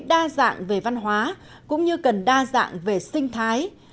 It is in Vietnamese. đa dạng về văn hóa cũng như cần đa dạng về sinh thái